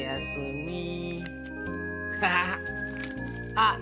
あっ！